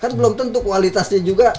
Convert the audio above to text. kan belum tentu kualitasnya juga